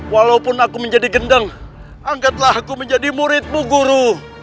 walaupun aku menjadi gendeng angkatlah aku menjadi muridmu guru